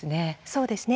そうですね。